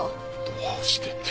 どうしてって。